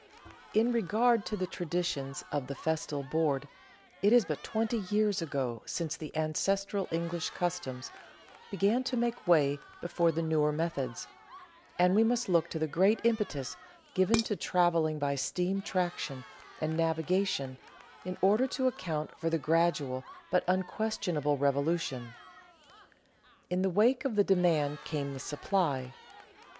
In regard to the traditions of the festal board, it is but twenty years ago since the ancestral English customs began to make way before the newer methods, and we must look to the great impetus given to travelling by steam traction and naviga tion, in order to account for the gradual but unquestionable revolution. In the wake of the demand came the supply.